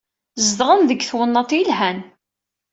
Zedɣen deg twennaḍt yelhan.